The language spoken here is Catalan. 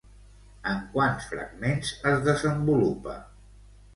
En quants fragments es desenvolupa?